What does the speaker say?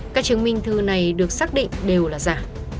các chứng minh thư này được xác định đều là giả